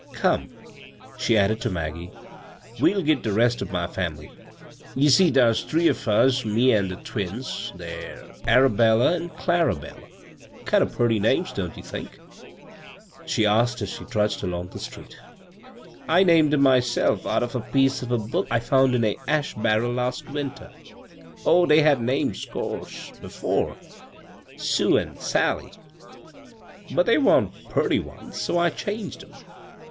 Come," she added to Maggie, " we'll git de rest o' my fam'ly, Ye see dar's three of us, me an' de twins. They're ' Arabella ' an' ' Clarabella.' Kind o' purty names — don't ye think ?" she b, Google CROSS CURRENTS asked as they trudged along the stre^ " I named 'em myself out of a piece of a book I found in a ash barrel kist winter. Oh, dey had names, 'course, before —' Sue ' an' ' Sally '— but they wa'n't purty ones, so I changed 'em.